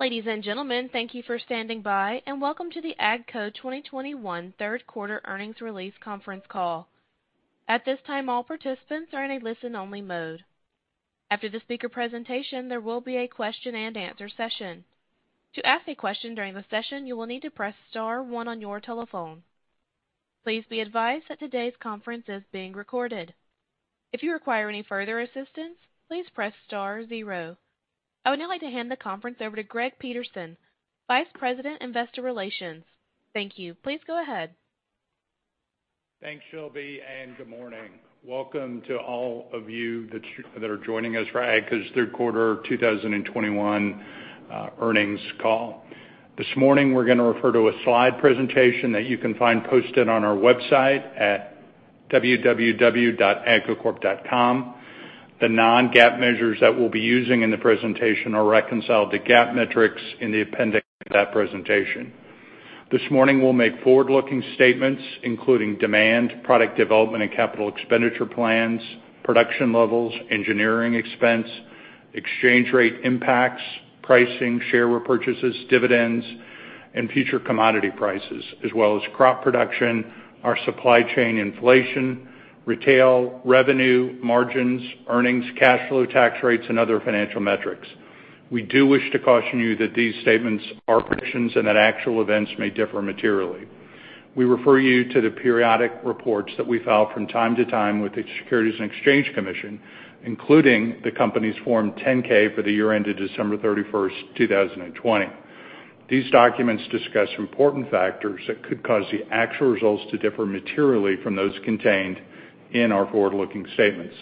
Ladies and gentlemen, thank you for standing by, and welcome to the AGCO 2021 third quarter earnings release conference call. At this time, all participants are in a listen-only mode. After the speaker presentation, there will be a question-and-answer session. To ask a question during the session, you will need to press star one on your telephone. Please be advised that today's conference is being recorded. If you require any further assistance, please press star zero. I would now like to hand the conference over to Greg Peterson, Vice President, Investor Relations. Thank you. Please go ahead. Thanks, Shelby, and good morning. Welcome to all of you that are joining us for AGCO's Q3 2021 earnings call. This morning, we're gonna refer to a slide presentation that you can find posted on our website at www.agcocorp.com. The non-GAAP measures that we'll be using in the presentation are reconciled to GAAP metrics in the appendix of that presentation. This morning, we'll make forward-looking statements, including demand, product development and capital expenditure plans, production levels, engineering expense, exchange rate impacts, pricing, share repurchases, dividends, and future commodity prices, as well as crop production, our supply chain inflation, retail revenue, margins, earnings, cash flow, tax rates, and other financial metrics. We do wish to caution you that these statements are predictions and that actual events may differ materially. We refer you to the periodic reports that we file from time to time with the Securities and Exchange Commission, including the company's Form 10-K for the year ended December 31st, 2020. These documents discuss important factors that could cause the actual results to differ materially from those contained in our forward-looking statements.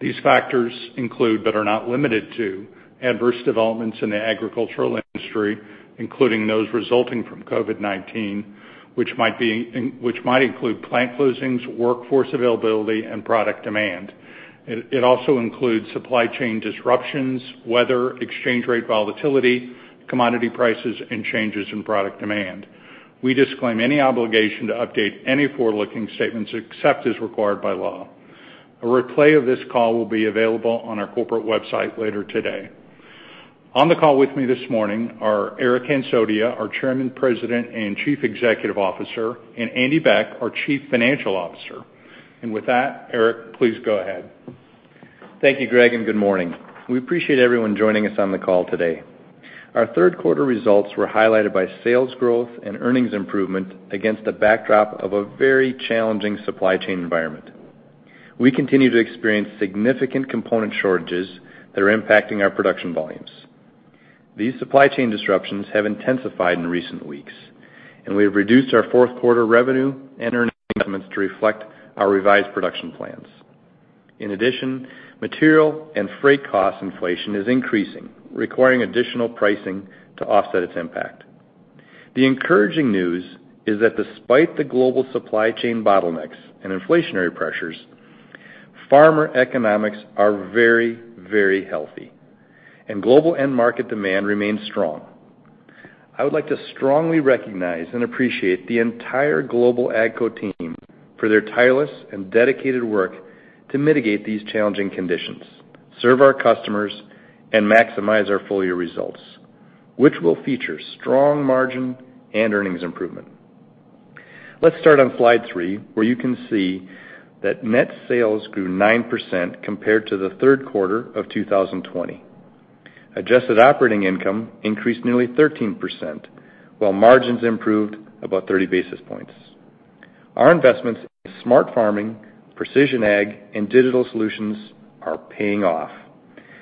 These factors include, but are not limited to, adverse developments in the agricultural industry, including those resulting from COVID-19, which might include plant closings, workforce availability, and product demand. It also includes supply chain disruptions, weather, exchange rate volatility, commodity prices, and changes in product demand. We disclaim any obligation to update any forward-looking statements except as required by law. A replay of this call will be available on our corporate website later today. On the call with me this morning are Eric Hansotia, our Chairman, President, and Chief Executive Officer, and Andy Beck, our Chief Financial Officer. With that, Eric, please go ahead. Thank you, Greg, and good morning. We appreciate everyone joining us on the call today. Our third quarter results were highlighted by sales growth and earnings improvement against the backdrop of a very challenging supply chain environment. We continue to experience significant component shortages that are impacting our production volumes. These supply chain disruptions have intensified in recent weeks, and we have reduced our fourth quarter revenue and earnings estimates to reflect our revised production plans. In addition, material and freight cost inflation is increasing, requiring additional pricing to offset its impact. The encouraging news is that despite the global supply chain bottlenecks and inflationary pressures, farmer economics are very, very healthy and global end market demand remains strong. I would like to strongly recognize and appreciate the entire global AGCO team for their tireless and dedicated work to mitigate these challenging conditions, serve our customers, and maximize our full-year results, which will feature strong margin and earnings improvement. Let's start on slide three, where you can see that net sales grew 9% compared to the third quarter of 2020. Adjusted operating income increased nearly 13%, while margins improved about 30 basis points. Our investments in smart farming, precision ag, and digital solutions are paying off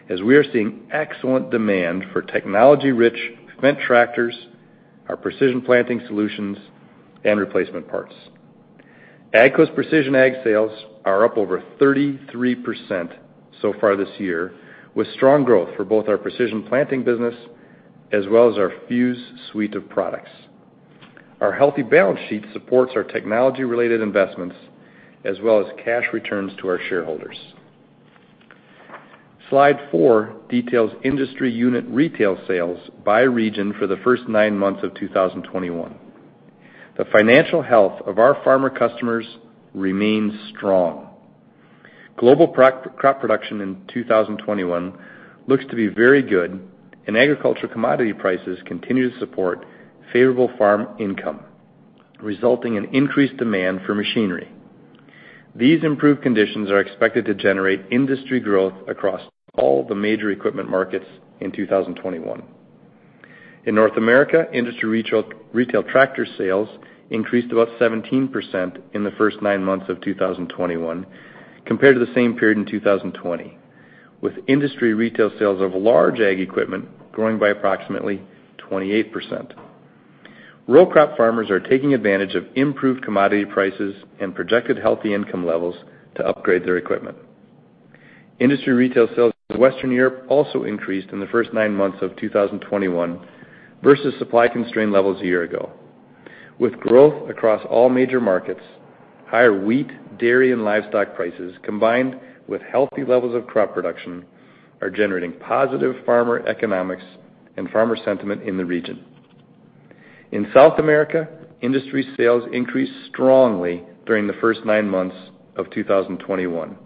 as we are seeing excellent demand for technology-rich Fendt tractors, our Precision Planting solutions, and replacement parts. AGCO's precision ag sales are up over 33% so far this year, with strong growth for both our Precision Planting business as well as our Fuse suite of products. Our healthy balance sheet supports our technology-related investments as well as cash returns to our shareholders. Slide four details industry unit retail sales by region for the first nine months of 2021. The financial health of our farmer customers remains strong. Global crop production in 2021 looks to be very good, and agriculture commodity prices continue to support favorable farm income, resulting in increased demand for machinery. These improved conditions are expected to generate industry growth across all the major equipment markets in 2021. In North America, industry retail tractor sales increased about 17% in the first nine months of 2021 compared to the same period in 2020, with industry retail sales of large ag equipment growing by approximately 28%. Row crop farmers are taking advantage of improved commodity prices and projected healthy income levels to upgrade their equipment. Industry retail sales in Western Europe also increased in the first nine months of 2021 versus supply-constrained levels a year ago. With growth across all major markets, higher wheat, dairy, and livestock prices, combined with healthy levels of crop production, are generating positive farmer economics and farmer sentiment in the region. In South America, industry sales increased strongly during the first nine months of 2021,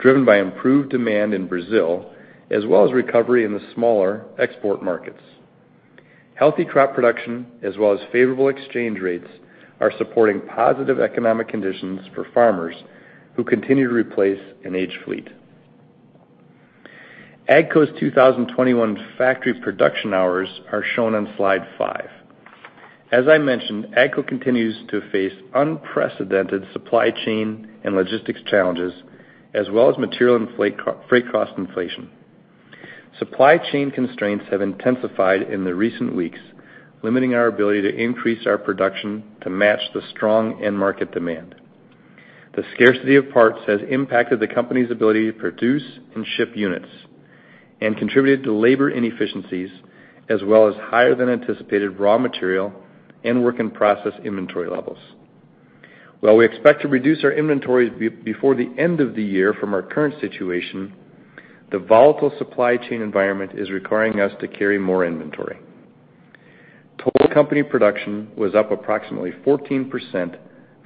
driven by improved demand in Brazil as well as recovery in the smaller export markets. Healthy crop production as well as favorable exchange rates are supporting positive economic conditions for farmers who continue to replace an aged fleet. AGCO's 2021 factory production hours are shown on slide five. As I mentioned, AGCO continues to face unprecedented supply chain and logistics challenges as well as material and freight cost inflation. Supply chain constraints have intensified in the recent weeks, limiting our ability to increase our production to match the strong end market demand. The scarcity of parts has impacted the company's ability to produce and ship units and contributed to labor inefficiencies as well as higher than anticipated raw material and work in process inventory levels. While we expect to reduce our inventories before the end of the year from our current situation, the volatile supply chain environment is requiring us to carry more inventory. Total company production was up approximately 14%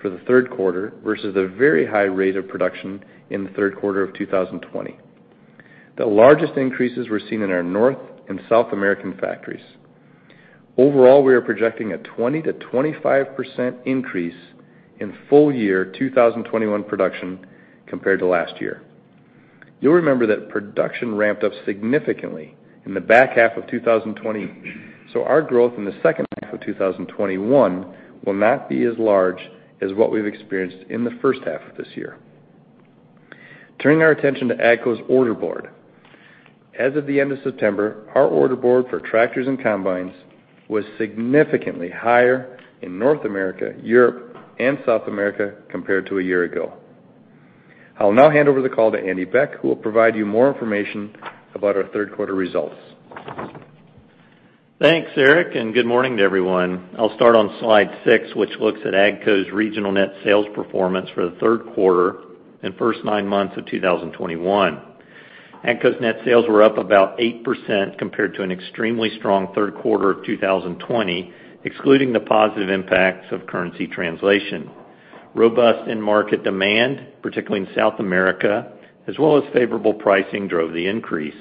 for the third quarter versus a very high rate of production in the third quarter of 2020. The largest increases were seen in our North and South American factories. Overall, we are projecting a 20%-25% increase in full-year 2021 production compared to last year. You'll remember that production ramped up significantly in the back half of 2020. Our growth in the second half of 2021 will not be as large as what we've experienced in the first half of this year. Turning our attention to AGCO's order board. As of the end of September, our order board for tractors and combines was significantly higher in North America, Europe, and South America compared to a year ago. I'll now hand over the call to Andy Beck, who will provide you more information about our third quarter results. Thanks, Eric, and good morning to everyone. I'll start on slide six, which looks at AGCO's regional net sales performance for the third quarter and first nine months of 2021. AGCO's net sales were up about 8% compared to an extremely strong third quarter of 2020, excluding the positive impacts of currency translation. Robust end market demand, particularly in South America, as well as favorable pricing, drove the increase.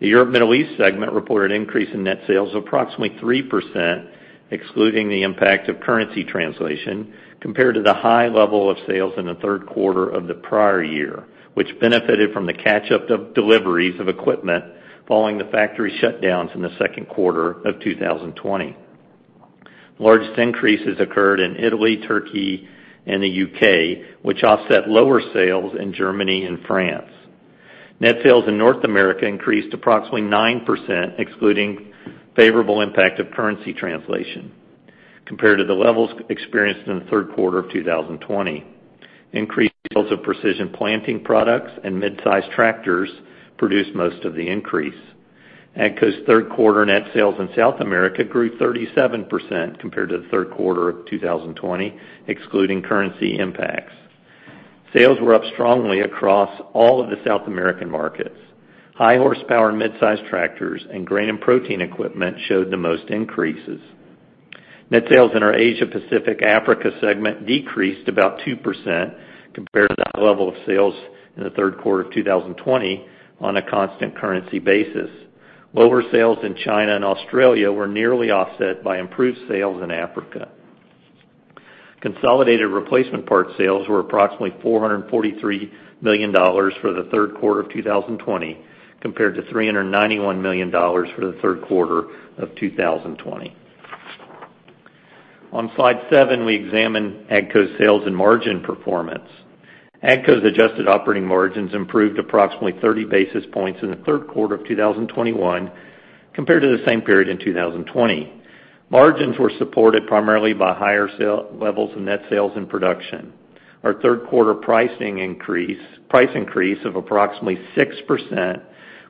The Europe, Middle East segment reported increase in net sales of approximately 3%, excluding the impact of currency translation compared to the high level of sales in the third quarter of the prior year, which benefited from the catch-up of deliveries of equipment following the factory shutdowns in the second quarter of 2020. The largest increases occurred in Italy, Turkey, and the U.K., which offset lower sales in Germany and France. Net sales in North America increased approximately 9%, excluding favorable impact of currency translation compared to the levels experienced in the third quarter of 2020. Increased sales of Precision Planting products and mid-size tractors produced most of the increase. AGCO's third quarter net sales in South America grew 37% compared to the third quarter of 2020, excluding currency impacts. Sales were up strongly across all of the South American markets. High horsepower mid-size tractors and grain and protein equipment showed the most increases. Net sales in our Asia Pacific Africa segment decreased about 2% compared to that level of sales in the third quarter of 2020 on a constant currency basis. Lower sales in China and Australia were nearly offset by improved sales in Africa. Consolidated replacement part sales were approximately $443 million for the third quarter of 2020 compared to $391 million for the third quarter of 2020. On slide seven, we examine AGCO's sales and margin performance. AGCO's adjusted operating margins improved approximately 30 basis points in the third quarter of 2021 compared to the same period in 2020. Margins were supported primarily by higher sale levels in net sales and production. Our third quarter price increase of approximately 6%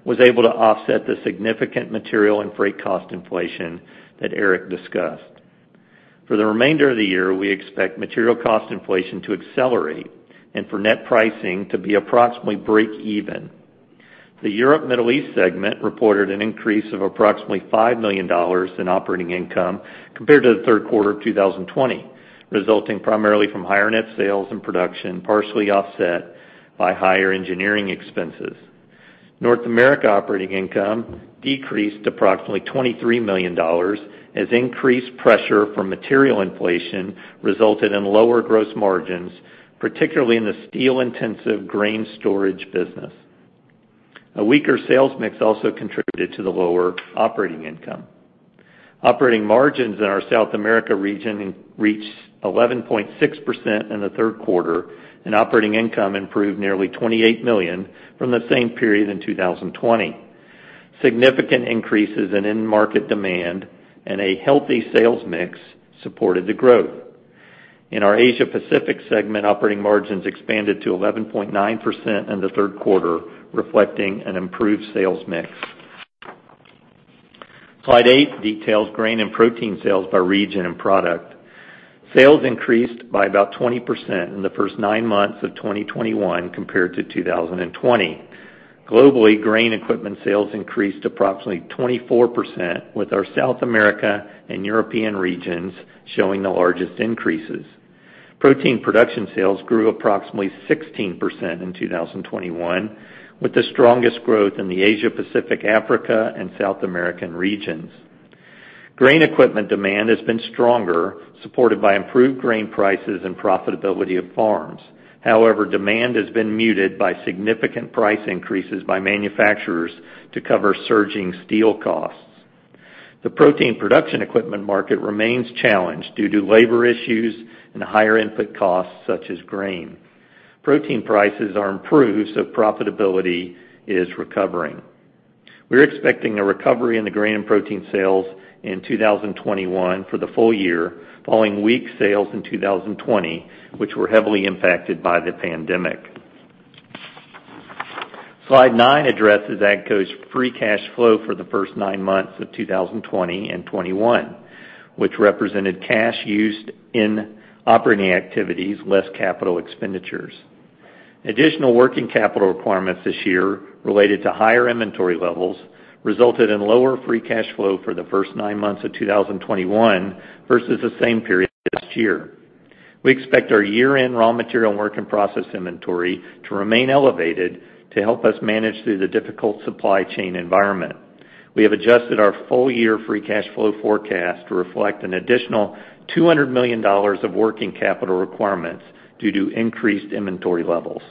was able to offset the significant material and freight cost inflation that Eric discussed. For the remainder of the year, we expect material cost inflation to accelerate and for net pricing to be approximately breakeven. The Europe Middle East segment reported an increase of approximately $5 million in operating income compared to the third quarter of 2020, resulting primarily from higher net sales and production, partially offset by higher engineering expenses. North America operating income decreased approximately $23 million as increased pressure from material inflation resulted in lower gross margins, particularly in the steel-intensive grain storage business. A weaker sales mix also contributed to the lower operating income. Operating margins in our South America region reached 11.6% in the third quarter, and operating income improved nearly $28 million from the same period in 2020. Significant increases in end-market demand and a healthy sales mix supported the growth. In our Asia Pacific segment, operating margins expanded to 11.9% in the third quarter, reflecting an improved sales mix. Slide eight details grain and protein sales by region and product. Sales increased by about 20% in the first 9 months of 2021 compared to 2020. Globally, grain equipment sales increased approximately 24% with our South America and European regions showing the largest increases. Protein production sales grew approximately 16% in 2021, with the strongest growth in the Asia-Pacific, Africa and South American regions. Grain equipment demand has been stronger, supported by improved grain prices and profitability of farms. However, demand has been muted by significant price increases by manufacturers to cover surging steel costs. The protein production equipment market remains challenged due to labor issues and higher input costs such as grain. Protein prices are improved, so profitability is recovering. We're expecting a recovery in the grain and protein sales in 2021 for the full-year following weak sales in 2020, which were heavily impacted by the pandemic. Slide nine addresses AGCO's free cash flow for the first 9 months of 2020 and 2021, which represented cash used in operating activities less capital expenditures. Additional working capital requirements this year related to higher inventory levels resulted in lower free cash flow for the first 9 months of 2021 versus the same period last year. We expect our year-end raw material work in process inventory to remain elevated to help us manage through the difficult supply chain environment. We have adjusted our full-year free cash flow forecast to reflect an additional $200 million of working capital requirements due to increased inventory levels.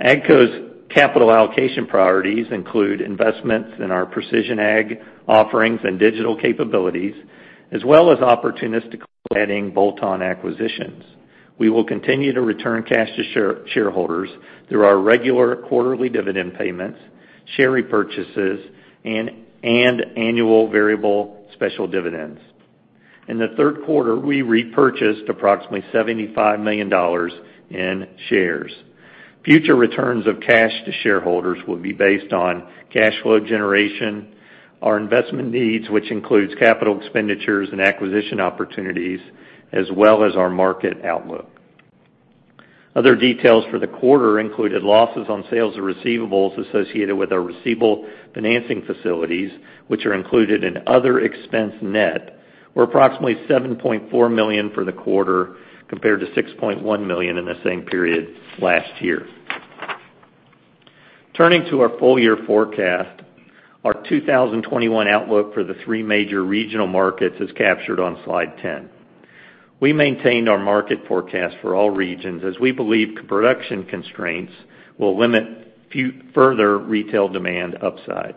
AGCO's capital allocation priorities include investments in our precision ag offerings and digital capabilities, as well as opportunistically adding bolt-on acquisitions. We will continue to return cash to shareholders through our regular quarterly dividend payments, share repurchases and annual variable special dividends. In the third quarter, we repurchased approximately $75 million in shares. Future returns of cash to shareholders will be based on cash flow generation, our investment needs, which includes capital expenditures and acquisition opportunities, as well as our market outlook. Other details for the quarter included losses on sales of receivables associated with our receivable financing facilities, which are included in other expense net, were approximately $7.4 million for the quarter, compared to $6.1 million in the same period last year. Turning to our full-year forecast, our 2021 outlook for the three major regional markets is captured on Slide ten. We maintained our market forecast for all regions as we believe production constraints will limit further retail demand upside.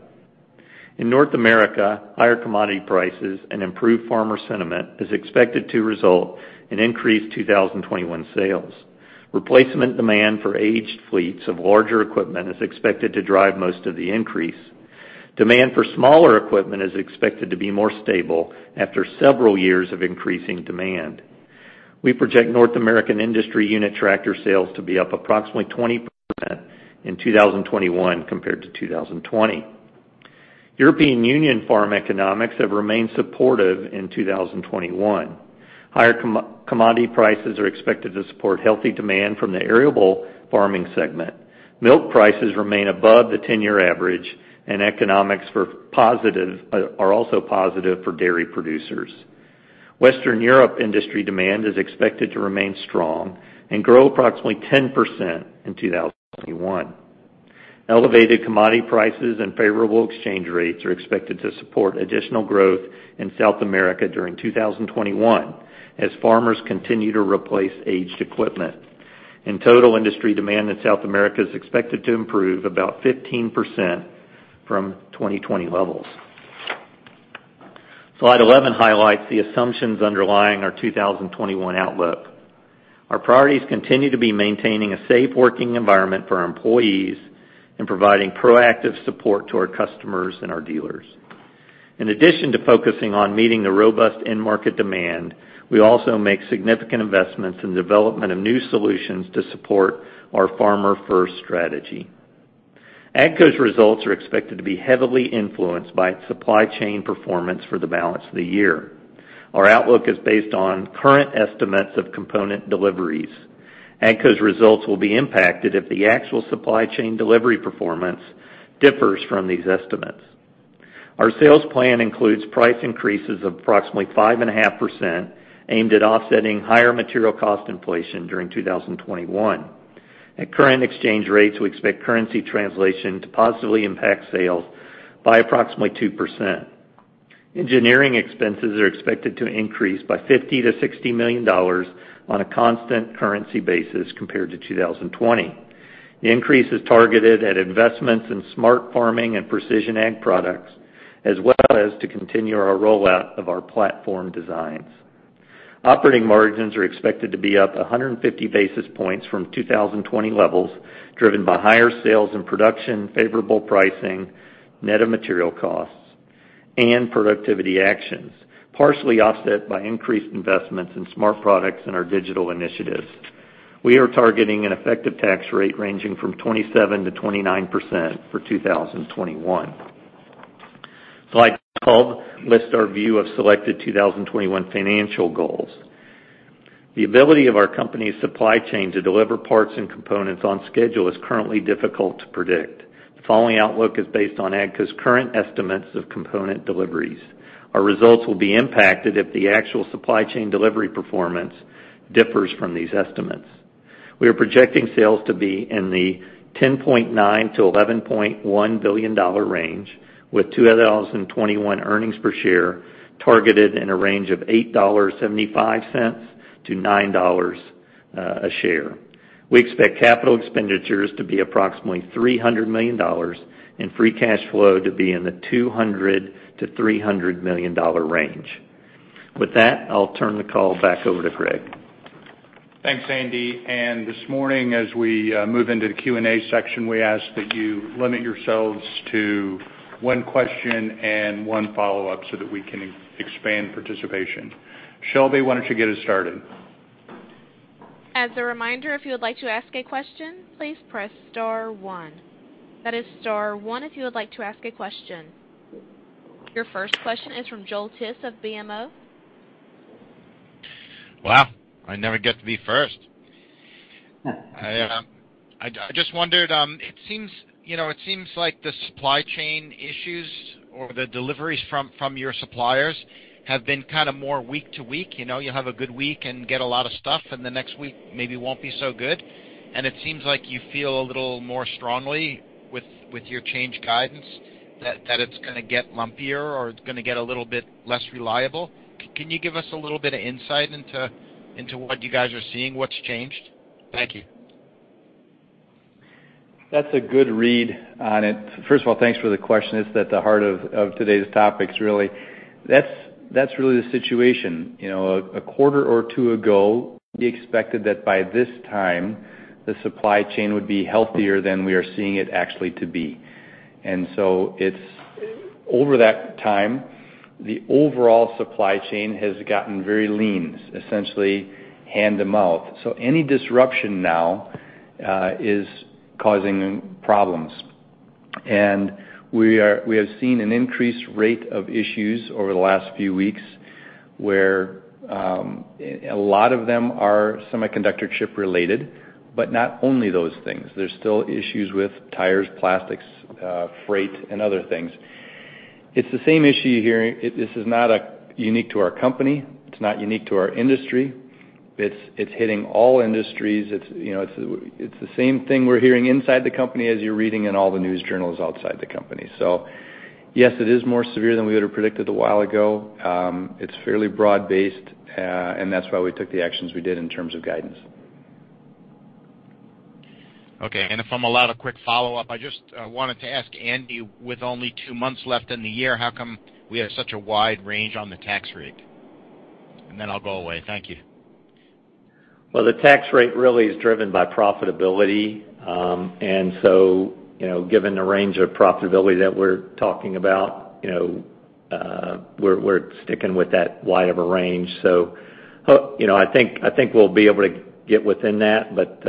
In North America, higher commodity prices and improved farmer sentiment is expected to result in increased 2021 sales. Replacement demand for aged fleets of larger equipment is expected to drive most of the increase. Demand for smaller equipment is expected to be more stable after several years of increasing demand. We project North American industry unit tractor sales to be up approximately 20% in 2021 compared to 2020. European Union farm economics have remained supportive in 2021. Higher commodity prices are expected to support healthy demand from the arable farming segment. Milk prices remain above the 10-year average, and economics are positive for dairy producers. Western Europe industry demand is expected to remain strong and grow approximately 10% in 2021. Elevated commodity prices and favorable exchange rates are expected to support additional growth in South America during 2021 as farmers continue to replace aged equipment. In total, industry demand in South America is expected to improve about 15% from 2020 levels. Slide eleven highlights the assumptions underlying our 2021 outlook. Our priorities continue to be maintaining a safe working environment for our employees and providing proactive support to our customers and our dealers. In addition to focusing on meeting the robust end market demand, we also make significant investments in development of new solutions to support our Farmer First strategy. AGCO's results are expected to be heavily influenced by supply chain performance for the balance of the year. Our outlook is based on current estimates of component deliveries. AGCO's results will be impacted if the actual supply chain delivery performance differs from these estimates. Our sales plan includes price increases of approximately 5.5% aimed at offsetting higher material cost inflation during 2021. At current exchange rates, we expect currency translation to positively impact sales by approximately 2%. Engineering expenses are expected to increase by $50 million-$60 million on a constant currency basis compared to 2020. The increase is targeted at investments in smart farming and precision ag products, as well as to continue our rollout of our platform designs. Operating margins are expected to be up 150 basis points from 2020 levels, driven by higher sales and production, favorable pricing, net of material costs and productivity actions, partially offset by increased investments in smart products and our digital initiatives. We are targeting an effective tax rate ranging from 27%-29% for 2021. Slide twelve lists our view of selected 2021 financial goals. The ability of our company's supply chain to deliver parts and components on schedule is currently difficult to predict. The following outlook is based on AGCO's current estimates of component deliveries. Our results will be impacted if the actual supply chain delivery performance differs from these estimates. We are projecting sales to be in the $10.9 billion-$11.1 billion range, with 2021 earnings per share targeted in a range of $8.75-$9 a share. We expect capital expenditures to be approximately $300 million, and free cash flow to be in the $200 million-$300 million range. With that, I'll turn the call back over to Greg. Thanks, Andy. This morning, as we move into the Q&A section, we ask that you limit yourselves to one question and one follow-up so that we can expand participation. Shelby, why don't you get us started? As a reminder, if you would like to ask a question, please press star one. That is star one if you would like to ask a question. Your first question is from Joel Tiss of BMO. Wow, I never get to be first. I just wondered, it seems, like the supply chain issues or the deliveries from your suppliers have been kinda more week to week, you know. You have a good week and get a lot of stuff, and the next week maybe won't be so good. It seems like you feel a little more strongly with your change guidance that it's gonna get lumpier or it's gonna get a little bit less reliable. Can you give us a little bit of insight into what you guys are seeing, what's changed? Thank you. That's a good read on it. First of all, thanks for the question. It's at the heart of today's topics really. That's really the situation. You know, a quarter or two ago, we expected that by this time the supply chain would be healthier than we are seeing it actually to be. Over that time, the overall supply chain has gotten very lean, essentially hand to mouth. So any disruption now is causing problems. We have seen an increased rate of issues over the last few weeks, where a lot of them are semiconductor chip related, but not only those things. There's still issues with tires, plastics, freight, and other things. It's the same issue you're hearing. This is not unique to our company. It's not unique to our industry. It's hitting all industries. It's, you know, it's the same thing we're hearing inside the company as you're reading in all the news journals outside the company. Yes, it is more severe than we would've predicted a while ago. It's fairly broad-based, and that's why we took the actions we did in terms of guidance. Okay. If I'm allowed a quick follow-up, I just wanted to ask Andy, with only two months left in the year, how come we have such a wide range on the tax rate? Then I'll go away. Thank you. Well, the tax rate really is driven by profitability. You know, given the range of profitability that we're talking about, we're sticking with that wide of a range. You know, I think we'll be able to get within that, but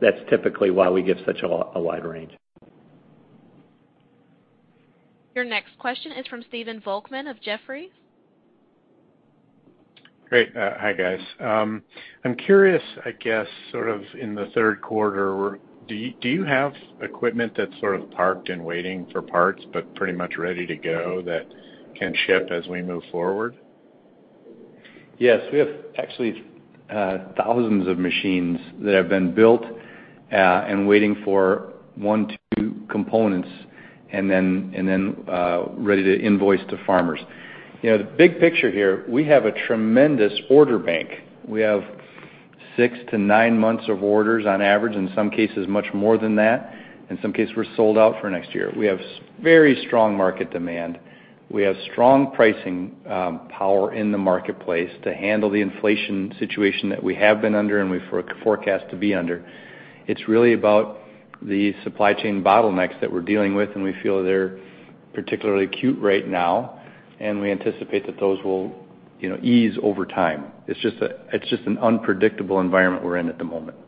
that's typically why we give such a wide range. Your next question is from Stephen Volkmann of Jefferies. Great. Hi, guys. I'm curious, I guess, sort of in the third quarter, do you have equipment that's sort of parked and waiting for parts, but pretty much ready to go that can ship as we move forward? Yes. We have actually thousands of machines that have been built and waiting for one or two components, and then ready to invoice to farmers. You know, the big picture here, we have a tremendous order bank. We have 6-9 months of orders on average, in some cases, much more than that. In some cases, we're sold out for next year. We have very strong market demand. We have strong pricing power in the marketplace to handle the inflation situation that we have been under and we forecast to be under. It's really about the supply chain bottlenecks that we're dealing with, and we feel they're particularly acute right now, and we anticipate that those will, you know, ease over time. It's just an unpredictable environment we're in at the moment.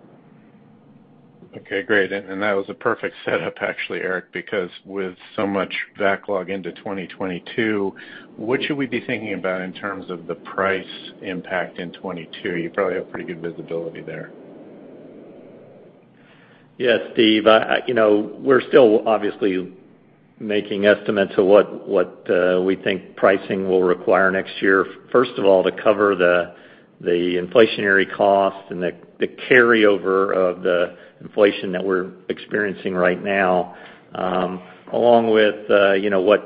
Okay, great. That was a perfect setup actually, Eric, because with so much backlog into 2022, what should we be thinking about in terms of the price impact in 2022? You probably have pretty good visibility there. Yes, Steve. You know, we're still obviously making estimates of what we think pricing will require next year, first of all, to cover the inflationary cost and the carryover of the inflation that we're experiencing right now, along with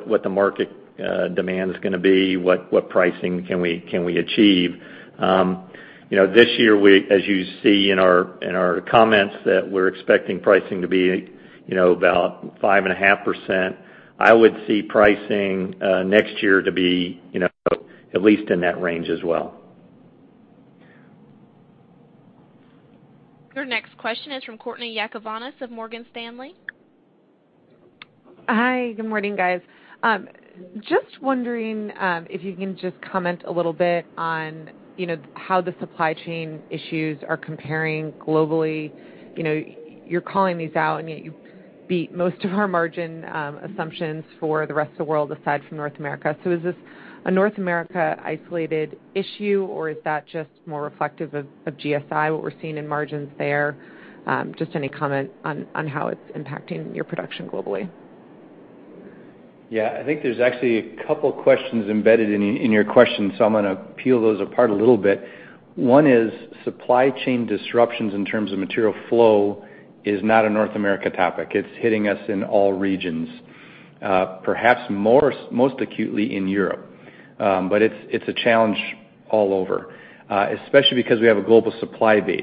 what the market demand is gonna be, what pricing can we achieve. You know, this year, as you see in our comments that we're expecting pricing to be, about 5.5%. I would see pricing next year to be at least in that range as well. Your next question is from Courtney Yakavonis of Morgan Stanley. Hi. Good morning, guys. Just wondering if you can just comment a little bit on how the supply chain issues are comparing globally. You know, you're calling these out, and yet you beat most of our margin assumptions for the rest of the world, aside from North America. Is this a North America isolated issue, or is that just more reflective of GSI, what we're seeing in margins there? Just any comment on how it's impacting your production globally. Yeah. I think there's actually a couple questions embedded in your question, so I'm gonna peel those apart a little bit. One is supply chain disruptions in terms of material flow is not a North America topic. It's hitting us in all regions, perhaps most acutely in Europe. It's a challenge all over, especially because we have a global supply base.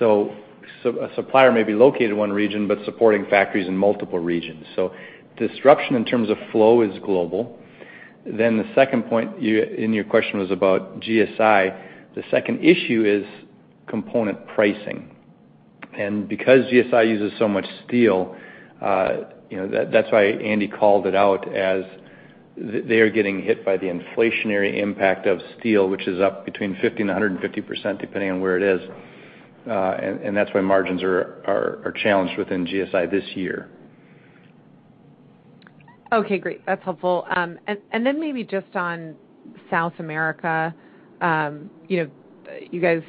A supplier may be located in one region, but supporting factories in multiple regions. Disruption in terms of flow is global. The second point in your question was about GSI. The second issue is component pricing. Because GSI uses so much steel, you know, that's why Andy called it out as they are getting hit by the inflationary impact of steel, which is up between 50%-150%, depending on where it is. That's why margins are challenged within GSI this year. Okay, great. That's helpful. Maybe just on South America, you know, you guys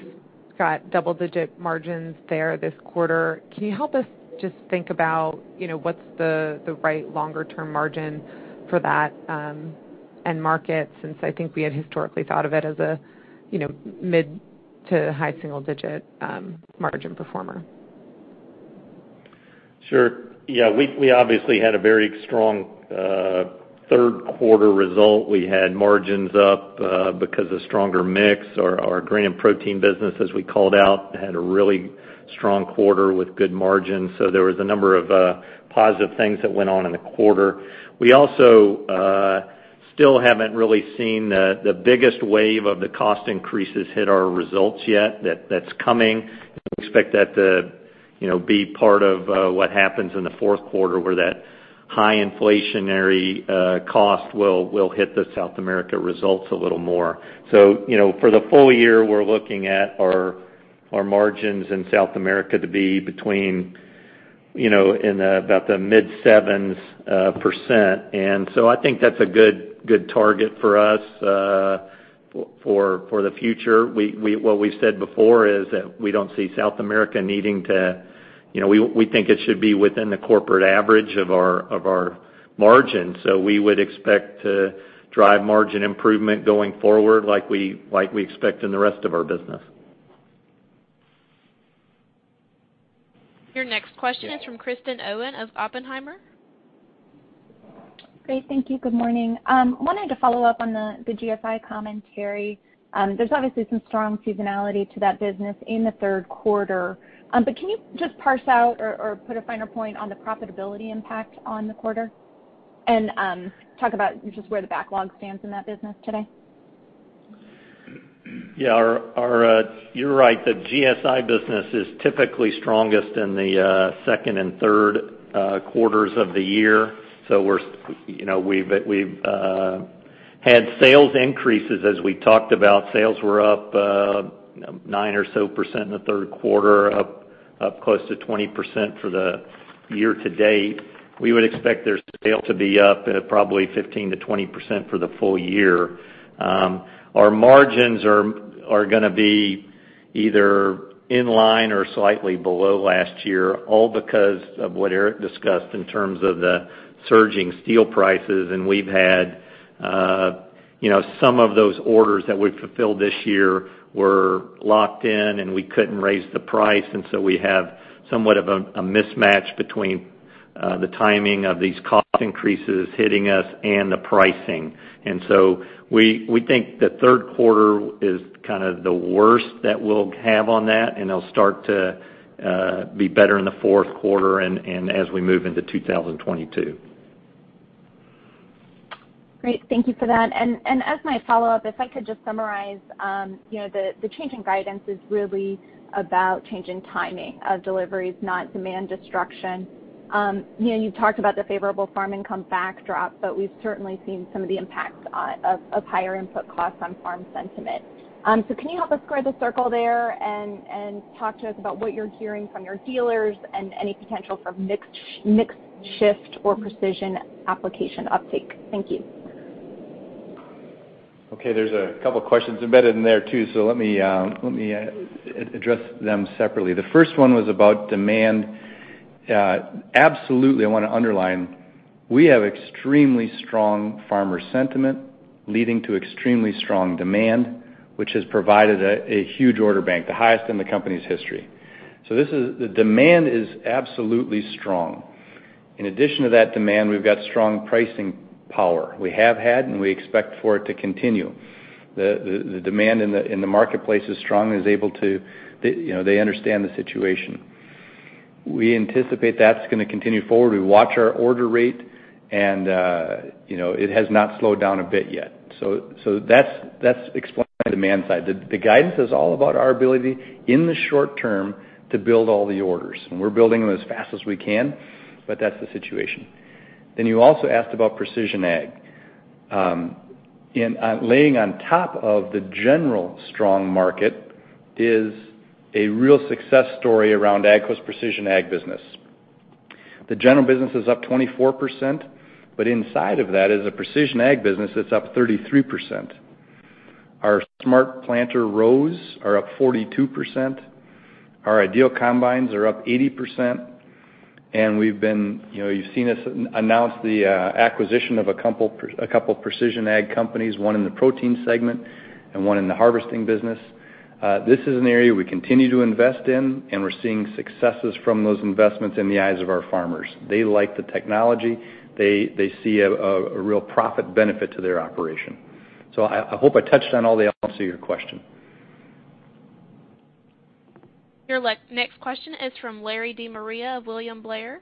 got double-digit margins there this quarter. Can you help us just think about, you know, what's the right longer term margin for that end market since I think we had historically thought of it as a, you know, mid to high-single-digit margin performer? Sure. Yeah. We obviously had a very strong third quarter result. We had margins up because of stronger mix. Our grain and protein business, as we called out, had a really strong quarter with good margins. So there was a number of positive things that went on in the quarter. We also still haven't really seen the biggest wave of the cost increases hit our results yet. That's coming. We expect that to, you know, be part of what happens in the fourth quarter, where that high inflationary cost will hit the South America results a little more. So, you know, for the full-year, we're looking at our margins in South America to be between, you know, in about the mid-7s%. I think that's a good target for us, for the future. What we said before is that we don't see South America needing to, you know, we think it should be within the corporate average of our margin. We would expect to drive margin improvement going forward like we expect in the rest of our business. Your next question is from Kristen Owen of Oppenheimer. Great. Thank you. Good morning. Wanted to follow up on the GSI commentary. There's obviously some strong seasonality to that business in the third quarter. Can you just parse out or put a finer point on the profitability impact on the quarter? Talk about just where the backlog stands in that business today. Yeah. You're right, the GSI business is typically strongest in the second and third quarters of the year. You know, we've had sales increases. As we talked about, sales were up nine or so percent in the third quarter, up close to 20% for the year to date. We would expect their sales to be up at probably 15%-20% for the full-year. Our margins are gonna be either in line or slightly below last year, all because of what Eric discussed in terms of the surging steel prices. We've had some of those orders that we've fulfilled this year were locked in, and we couldn't raise the price. We have somewhat of a mismatch between the timing of these cost increases hitting us and the pricing. We think the third quarter is kind of the worst that we'll have on that, and it'll start to be better in the fourth quarter and as we move into 2022. Great. Thank you for that. As my follow-up, if I could just summarize, you know, the change in guidance is really about change in timing of deliveries, not demand destruction. You know, you've talked about the favorable farm income backdrop, but we've certainly seen some of the impacts of higher input costs on farm sentiment. Can you help us square the circle there and talk to us about what you're hearing from your dealers and any potential for mix shift or precision application uptake? Thank you. Okay, there's a couple questions embedded in there too. Let me address them separately. The first one was about demand. Absolutely, I wanna underline, we have extremely strong farmer sentiment leading to extremely strong demand, which has provided a huge order bank, the highest in the company's history. The demand is absolutely strong. In addition to that demand, we've got strong pricing power. We have had, and we expect for it to continue. The demand in the marketplace is strong and is able to, you know, they understand the situation. We anticipate that's gonna continue forward. We watch our order rate and, you know, it has not slowed down a bit yet. That's explaining the demand side. The guidance is all about our ability in the short-term to build all the orders, and we're building them as fast as we can, but that's the situation. You also asked about precision at. In laying on top of the general strong market is a real success story around AGCO's precision ag business. The general business is up 24%, but inside of that is a precision ag business that's up 33%. Our smart planter rows are up 42%. Our IDEAL combines are up 80%. We've been, you know, you've seen us announce the acquisition of a couple precision ag companies, one in the protein segment and one in the harvesting business. This is an area we continue to invest in, and we're seeing successes from those investments in the eyes of our farmers. They like the technology. They see a real profit benefit to their operation. I hope I touched on all the elements of your question. Your next question is from Larry De Maria of William Blair.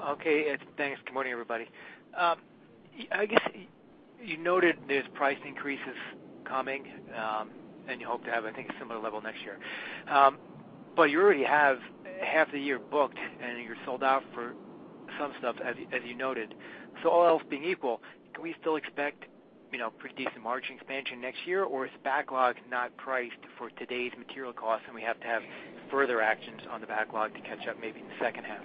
Okay. Thanks. Good morning, everybody. I guess you noted there's price increases coming, and you hope to have, I think, a similar level next year. You already have half the year booked, and you're sold out for some stuff, as you noted. All else being equal, can we still expect, you know, pretty decent margin expansion next year, or is backlog not priced for today's material costs, and we have to have further actions on the backlog to catch up maybe in the second half?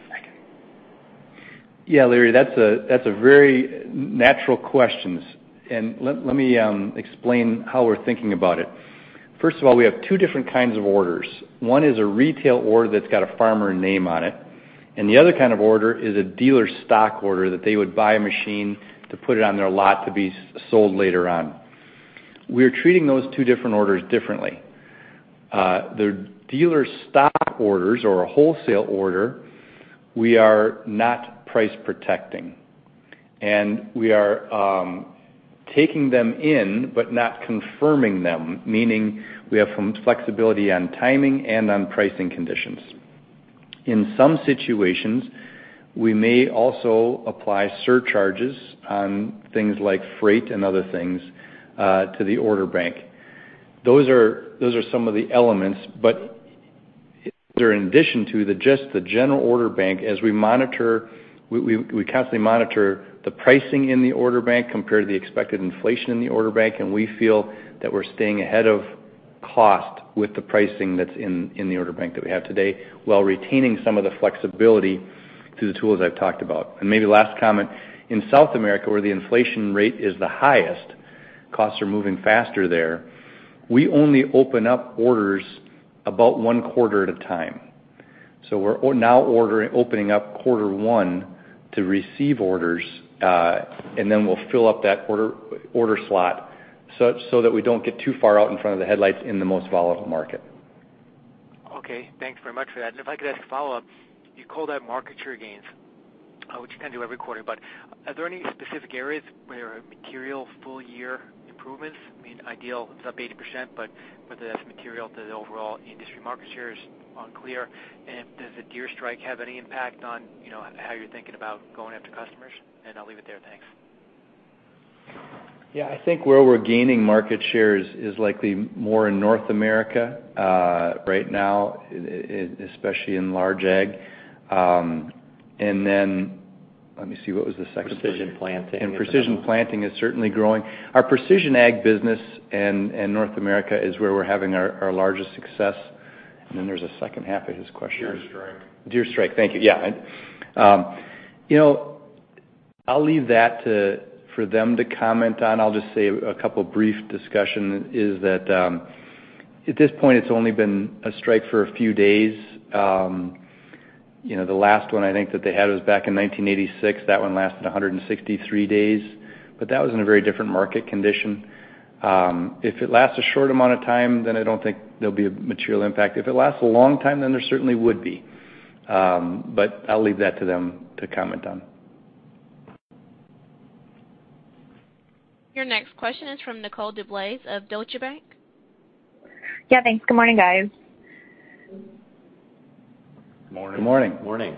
Yeah, Larry, that's a very natural question. Let me explain how we're thinking about it. First of all, we have two different kinds of orders. One is a retail order that's got a farmer name on it, and the other kind of order is a dealer stock order that they would buy a machine to put it on their lot to be sold later on. We're treating those two different orders differently. The dealer stock orders are a wholesale order; we are not price protecting. We are taking them in but not confirming them, meaning we have some flexibility on timing and on pricing conditions. In some situations, we may also apply surcharges on things like freight and other things to the order bank. Those are some of the elements, but they're in addition to just the general order bank as we monitor. We constantly monitor the pricing in the order bank compared to the expected inflation in the order bank, and we feel that we're staying ahead of cost with the pricing that's in the order bank that we have today, while retaining some of the flexibility through the tools I've talked about. Maybe last comment, in South America, where the inflation rate is the highest, costs are moving faster there. We only open up orders about one quarter at a time. We're opening up quarter one to receive orders, and then we'll fill up that order slot so that we don't get too far out in front of the headlights in the most volatile market. Okay. Thanks very much for that. If I could ask a follow-up. You called out market share gains, which you kind of do every quarter. But are there any specific areas where material full-year improvements? I mean, IDEAL is up 80%, but that's material to the overall industry. Market share is unclear. Does the Deere strike have any impact on, you know, how you're thinking about going after customers? I'll leave it there. Thanks. Yeah. I think where we're gaining market shares is likely more in North America, right now, especially in large ag. Then let me see, what was the second part? Precision Planting. Precision Planting is certainly growing. Our precision ag business in North America is where we're having our largest success. Then there's a second half of his question. Deere strike. Deere strike. Thank you. Yeah. You know, I'll leave that for them to comment on. I'll just say a couple brief discussion is that, at this point, it's only been a strike for a few days. You know, the last one I think that they had was back in 1986. That one lasted 163 days, but that was in a very different market condition. If it lasts a short amount of time, then I don't think there'll be a material impact. If it lasts a long time, then there certainly would be. But I'll leave that to them to comment on. Your next question is from Nicole DeBlase of Deutsche Bank. Yeah, thanks. Good morning, guys. Good morning. Good morning.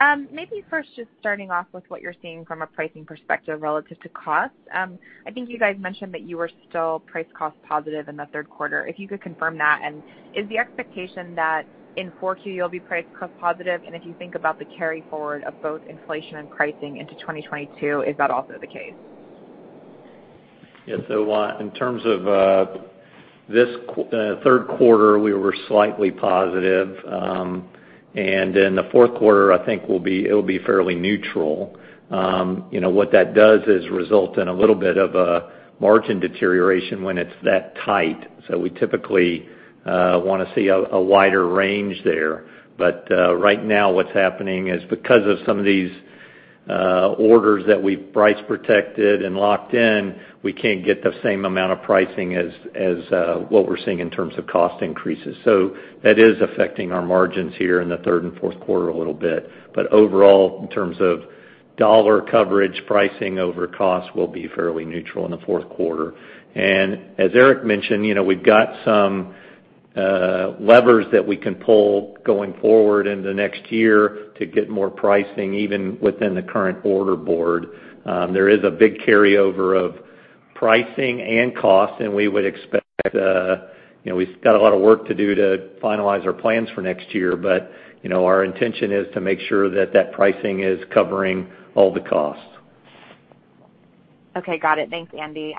Good morning. Maybe first just starting off with what you're seeing from a pricing perspective relative to cost. I think you guys mentioned that you were still price cost positive in the third quarter. If you could confirm that. Is the expectation that in Q4, you'll be price cost positive? If you think about the carryforward of both inflation and pricing into 2022, is that also the case? Yes. In terms of this third quarter, we were slightly positive. In the fourth quarter, I think it'll be fairly neutral. You know, what that does is result in a little bit of a margin deterioration when it's that tight. We typically wanna see a wider range there. Right now, what's happening is because of some of these orders that we've price protected and locked in, we can't get the same amount of pricing as what we're seeing in terms of cost increases. That is affecting our margins here in the third and fourth quarter a little bit. Overall, in terms of dollar coverage, pricing over cost will be fairly neutral in the fourth quarter. As Eric mentioned, you know, we've got some levers that we can pull going forward in the next year to get more pricing, even within the current order board. There is a big carryover of pricing and cost, and we would expect, you know, we've got a lot of work to do to finalize our plans for next year. You know, our intention is to make sure that that pricing is covering all the costs. Okay. Got it. Thanks, Andy.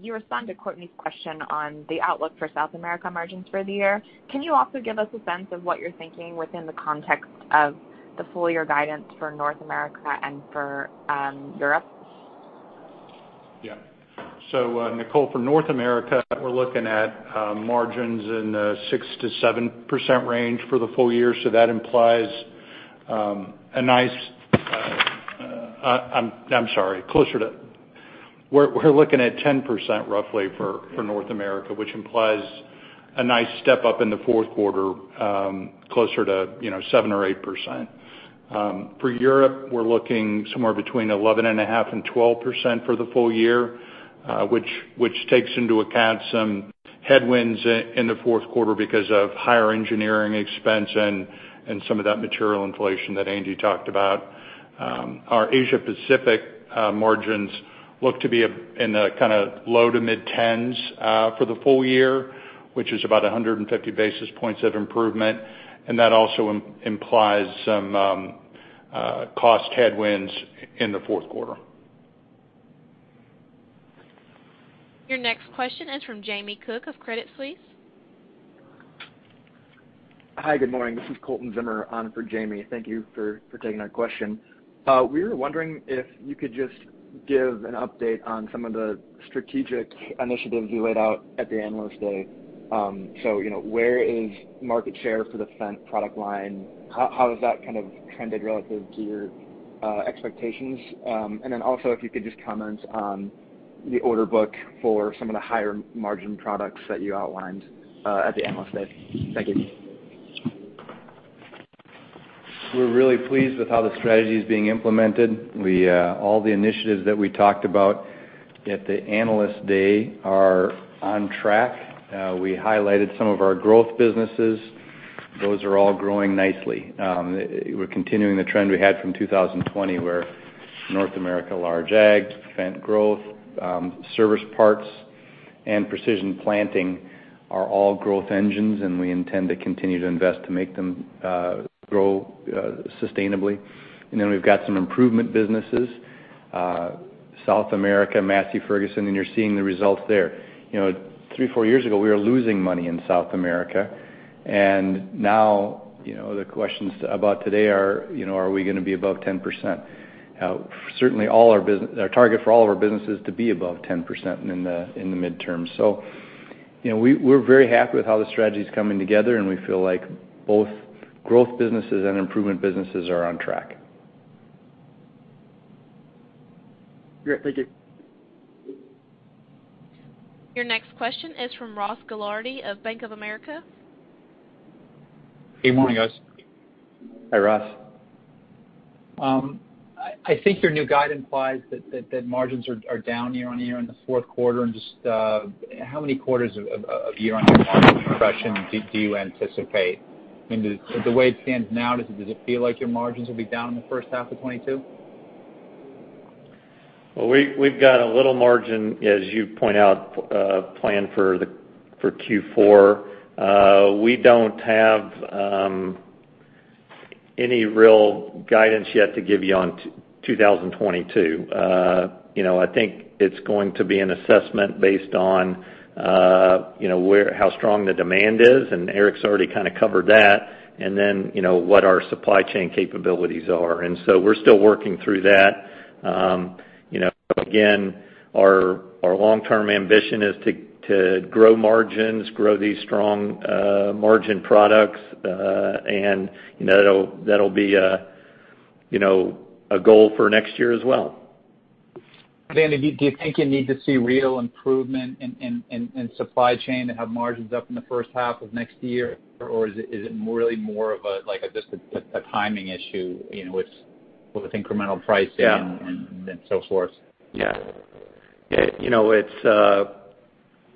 You respond to Courtney's question on the outlook for South America margins for the year. Can you also give us a sense of what you're thinking within the context of the full-year guidance for North America and for Europe? Yeah. Nicole, for North America, we're looking at 10% roughly for North America, which implies a nice step up in the fourth quarter closer to, you know, 7% or 8%. For Europe, we're looking somewhere between 11.5% and 12% for the full-year, which takes into account some headwinds in the fourth quarter because of higher engineering expense and some of that material inflation that Andy talked about. Our Asia Pacific margins look to be up in the kinda low to mid-teens for the full-year, which is about 150 basis points of improvement. That also implies some cost headwinds in the fourth quarter. Your next question is from Jamie Cook of Credit Suisse. Hi. Good morning. This is Colton Zimmer on for Jamie. Thank you for taking our question. We were wondering if you could just give an update on some of the strategic initiatives you laid out at the Analyst Day. You know, where is market share for the Fendt product line? How has that kind of trended relative to your expectations? If you could just comment on the order book for some of the higher margin products that you outlined at the Analyst Day. Thank you. We're really pleased with how the strategy is being implemented. We all the initiatives that we talked about at the Analyst Day are on track. We highlighted some of our growth businesses. Those are all growing nicely. We're continuing the trend we had from 2020, where North America large ag, Fendt growth, service parts, and Precision Planting are all growth engines, and we intend to continue to invest to make them grow sustainably. Then we've got some improvement businesses, South America, Massey Ferguson, and you're seeing the results there. You know, three- four years ago, we were losing money in South America. Now, you know, the questions about today are, you know, are we gonna be above 10%? Certainly, our target for all of our business is to be above 10% in the midterm. You know, we're very happy with how the strategy is coming together, and we feel like both growth businesses and improvement businesses are on track. Great. Thank you. Your next question is from Ross Gilardi of Bank of America. Good morning, guys. Hi, Ross. I think your new guide implies that margins are down year-on-year in the fourth quarter. Just how many quarters of year-on-year compression do you anticipate? I mean, the way it stands now, does it feel like your margins will be down in the first half of 2022? Well, we've got a little margin, as you point out, planned for Q4. We don't have any real guidance yet to give you on 2022. You know, I think it's going to be an assessment based on, you know, how strong the demand is, and Eric's already kinda covered that. Then, you know, what our supply chain capabilities are. We're still working through that. You know, again, our long-term ambition is to grow margins, grow these strong margin products. You know, that'll be a goal for next year as well. Andy, do you think you need to see real improvement in supply chain to have margins up in the first half of next year? Or is it more really more of a, like, a just a timing issue, you know, with incremental pricing? Yeah and so forth? Yeah. You know,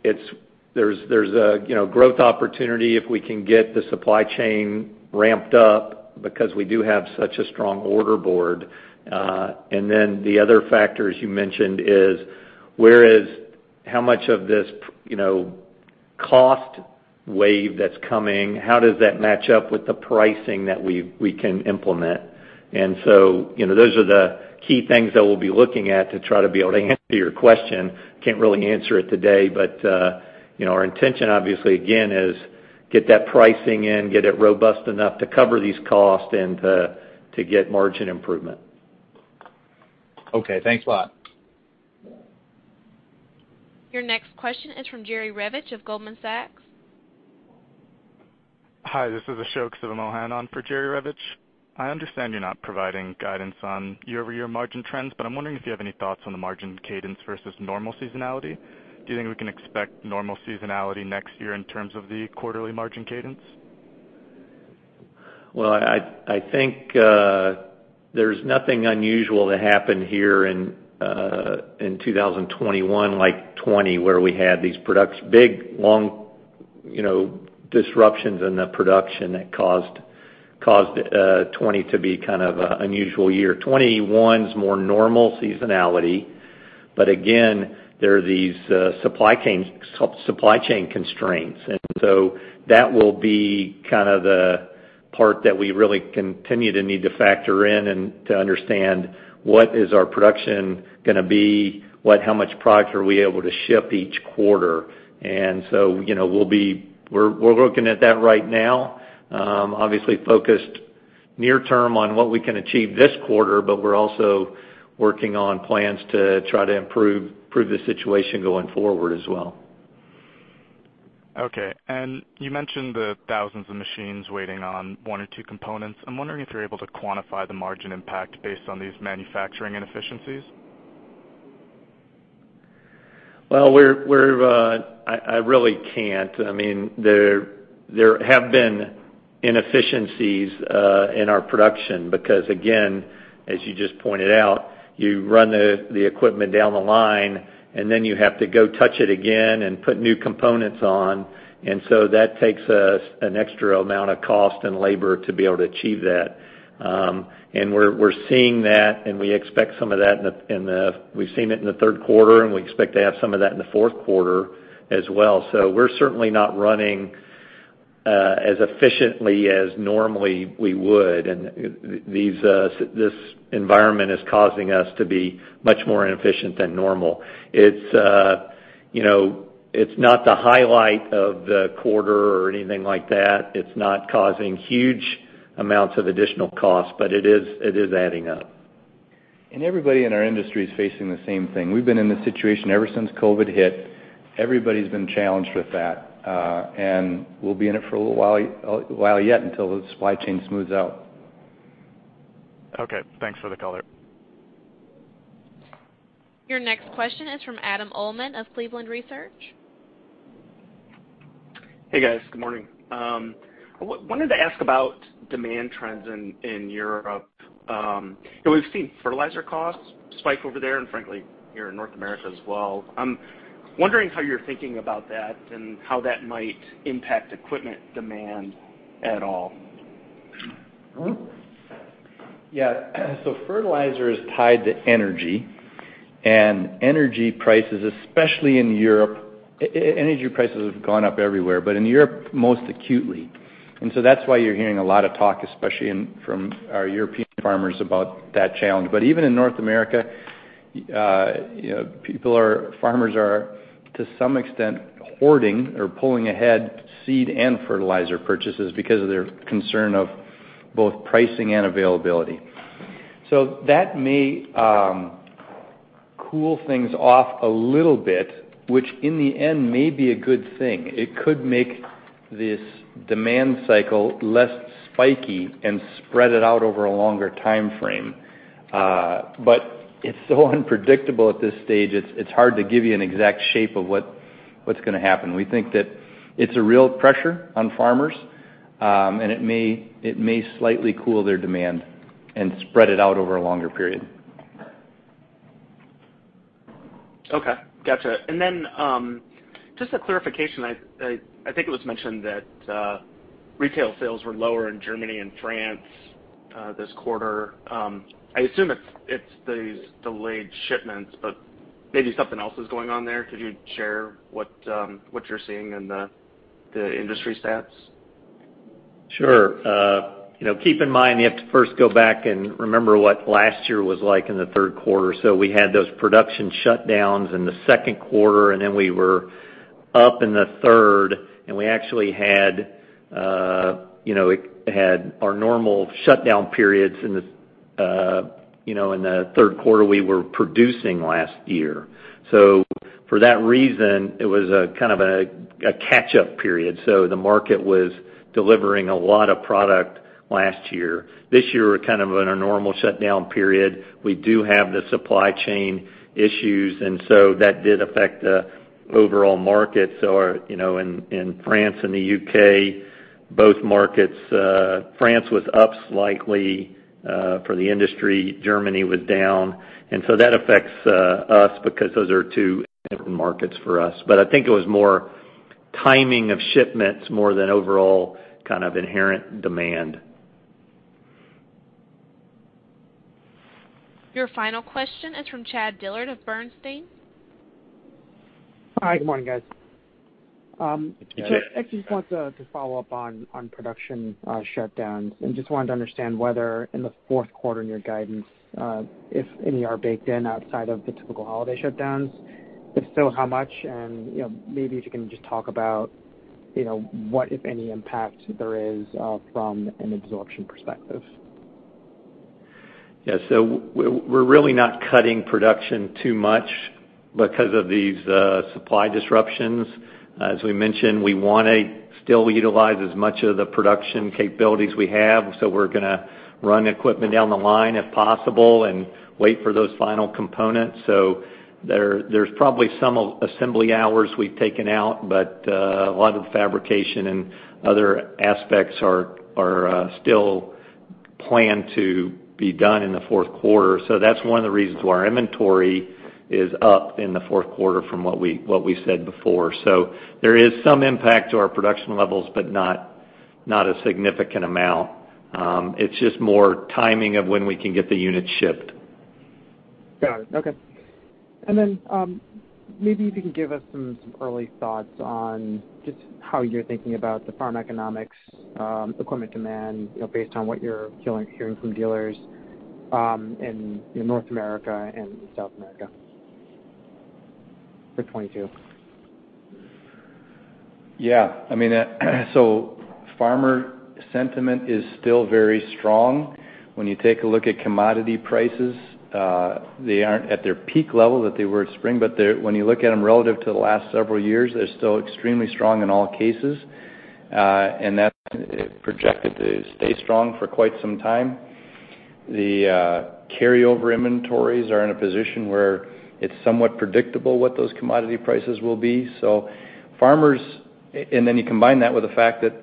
there's a growth opportunity if we can get the supply chain ramped up because we do have such a strong order board. Then the other factor, as you mentioned, is whereas how much of this, you know, cost wave that's coming, how does that match up with the pricing that we can implement? You know, those are the key things that we'll be looking at to try to be able to answer your question. Can't really answer it today, but you know, our intention obviously again is to get that pricing in, get it robust enough to cover these costs and to get margin improvement. Okay. Thanks a lot. Your next question is from Jerry Revich of Goldman Sachs. Hi, this is Ashok Sivamohan on for Jerry Revich. I understand you're not providing guidance on year-over-year margin trends, but I'm wondering if you have any thoughts on the margin cadence versus normal seasonality. Do you think we can expect normal seasonality next year in terms of the quarterly margin cadence? Well, I think there's nothing unusual to happen here in 2021, like 2020, where we had these big, long disruptions in the production that caused 2020 to be kind of an unusual year. 2021 is more normal seasonality. But again, there are these supply chain constraints. That will be kind of the part that we really continue to need to factor in and to understand what is our production gonna be, how much product are we able to ship each quarter. You know, we're looking at that right now. We're obviously focused near term on what we can achieve this quarter, but we're also working on plans to try to improve the situation going forward as well. Okay. You mentioned the thousands of machines waiting on one or two components. I'm wondering if you're able to quantify the margin impact based on these manufacturing inefficiencies? Well, I really can't. I mean, there have been inefficiencies in our production because again, as you just pointed out, you run the equipment down the line, and then you have to go touch it again and put new components on. That takes us an extra amount of cost and labor to be able to achieve that. We're seeing that, and we've seen it in the third quarter, and we expect to have some of that in the fourth quarter as well. We're certainly not running as efficiently as normally we would. This environment is causing us to be much more inefficient than normal. You know, it's not the highlight of the quarter or anything like that. It's not causing huge amounts of additional costs, but it is adding up. Everybody in our industry is facing the same thing. We've been in this situation ever since COVID hit. Everybody's been challenged with that, and we'll be in it for a little while yet until the supply chain smooths out. Okay, thanks for the color. Your next question is from Adam Uhlman of Cleveland Research. Hey, guys. Good morning. I wanted to ask about demand trends in Europe. We've seen fertilizer costs spike over there and frankly, here in North America as well. I'm wondering how you're thinking about that and how that might impact equipment demand at all. Yeah. Fertilizer is tied to energy and energy prices, especially in Europe. Energy prices have gone up everywhere, but in Europe, most acutely. That's why you're hearing a lot of talk, especially from our European farmers about that challenge. Even in North America, farmers are to some extent hoarding or pulling ahead seed and fertilizer purchases because of their concern of both pricing and availability. That may cool things off a little bit, which in the end may be a good thing. It could make this demand cycle less spiky and spread it out over a longer time frame. It's so unpredictable at this stage. It's hard to give you an exact shape of what's gonna happen. We think that it's a real pressure on farmers, and it may slightly cool their demand and spread it out over a longer period. Okay. Gotcha. Just a clarification. I think it was mentioned that retail sales were lower in Germany and France this quarter. I assume it's these delayed shipments, but maybe something else is going on there. Could you share what you're seeing in the industry stats? Sure. You know, keep in mind, you have to first go back and remember what last year was like in the third quarter. We had those production shutdowns in the second quarter, and then we were up in the third, and we actually had you know our normal shutdown periods in this you know in the third quarter we were producing last year. For that reason, it was a kind of a catch-up period. The market was delivering a lot of product last year. This year, we're kind of in a normal shutdown period. We do have the supply chain issues, and so that did affect the overall market. You know, in France and the U.K., both markets, France was up slightly for the industry. Germany was down. that affects us because those are two important markets for us. I think it was more timing of shipments more than overall kind of inherent demand. Your final question is from Chad Dillard of Bernstein. Hi, good morning, guys. Good to see you. Yeah. I just want to follow up on production shutdowns, and just wanted to understand whether in the fourth quarter in your guidance if any are baked in outside of the typical holiday shutdowns. If so, how much? You know, maybe if you can just talk about you know, what, if any, impact there is from an absorption perspective. Yeah. We're really not cutting production too much because of these supply disruptions. As we mentioned, we wanna still utilize as much of the production capabilities we have, so we're gonna run equipment down the line if possible and wait for those final components. There's probably some assembly hours we've taken out, but a lot of the fabrication and other aspects are still plan to be done in the fourth quarter. That's one of the reasons why our inventory is up in the fourth quarter from what we said before. There is some impact to our production levels, but not a significant amount. It's just more timing of when we can get the units shipped. Got it. Okay. Maybe if you can give us some early thoughts on just how you're thinking about the farm economics, equipment demand, you know, based on what you're hearing from dealers in North America and in South America for 2022. Yeah. I mean, farmer sentiment is still very strong. When you take a look at commodity prices, they aren't at their peak level that they were at spring, but when you look at them relative to the last several years, they're still extremely strong in all cases. That's projected to stay strong for quite some time. The carryover inventories are in a position where it's somewhat predictable what those commodity prices will be. Farmers and then you combine that with the fact that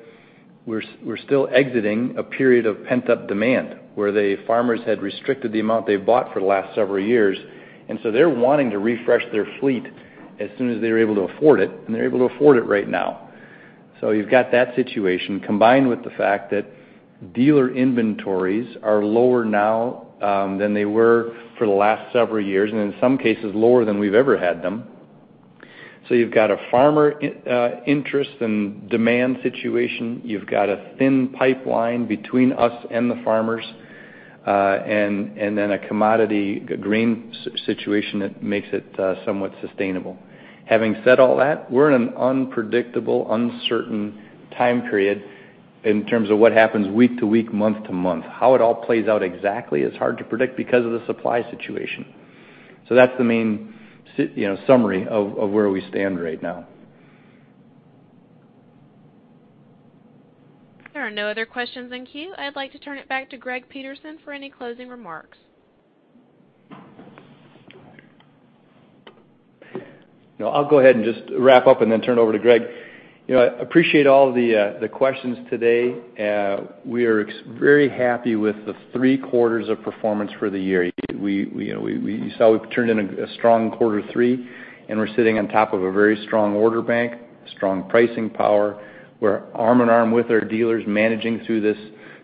we're still exiting a period of pent-up demand where the farmers had restricted the amount they bought for the last several years. They're wanting to refresh their fleet as soon as they're able to afford it, and they're able to afford it right now. You've got that situation combined with the fact that dealer inventories are lower now than they were for the last several years, and in some cases lower than we've ever had them. You've got a farmer interest and demand situation. You've got a thin pipeline between us and the farmers, and then a commodity grain situation that makes it somewhat sustainable. Having said all that, we're in an unpredictable, uncertain time period in terms of what happens week to week, month to month. How it all plays out exactly is hard to predict because of the supply situation. That's the main summary of where we stand right now. There are no other questions in queue. I'd like to turn it back to Greg Peterson for any closing remarks. No, I'll go ahead and just wrap up and then turn it over to Greg. You know, I appreciate all the questions today. We are very happy with the three quarters of performance for the year. You know, you saw we've turned in a strong quarter three, and we're sitting on top of a very strong order bank, strong pricing power. We're arm in arm with our dealers managing through this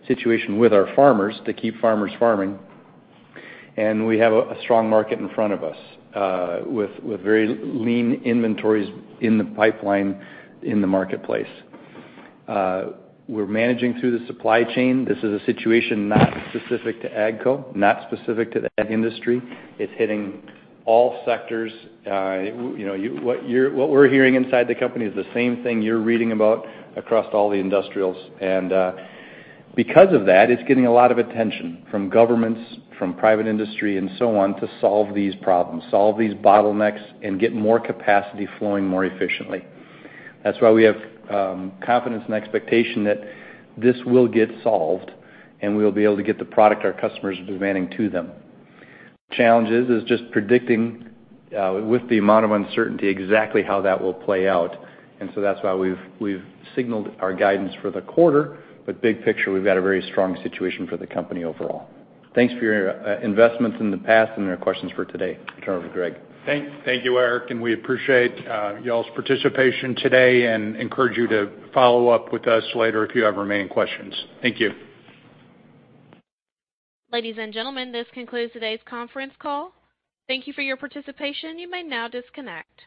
situation with our farmers to keep farmers farming. We have a strong market in front of us, with very lean inventories in the pipeline in the marketplace. We're managing through the supply chain. This is a situation not specific to AGCO, not specific to the ag industry. It's hitting all sectors. You know, what we're hearing inside the company is the same thing you're reading about across all the industrials. Because of that, it's getting a lot of attention from governments, from private industry and so on to solve these problems, solve these bottlenecks and get more capacity flowing more efficiently. That's why we have confidence and expectation that this will get solved and we'll be able to get the product our customers are demanding to them. Challenge is just predicting, with the amount of uncertainty, exactly how that will play out. That's why we've signaled our guidance for the quarter. Big picture, we've got a very strong situation for the company overall. Thanks for your investments in the past and your questions for today. Turn it over to Greg. Thank you, Eric, and we appreciate y'all's participation today and encourage you to follow up with us later if you have remaining questions. Thank you. Ladies and gentlemen, this concludes today's conference call. Thank you for your participation. You may now disconnect.